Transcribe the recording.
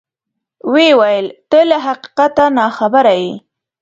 ویې ویل: ته له حقیقته ناخبره یې.